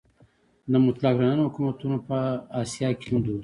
د مطلق العنان حکومتونه په اسیا کې هم دود وو.